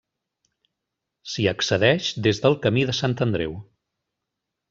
S'hi accedeix des del Camí de Sant Andreu.